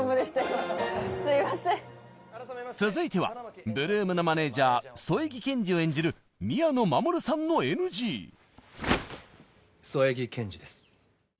続いては８ＬＯＯＭのマネージャー添木ケンジを演じる宮野真守さんのＮＧ添木ケンジです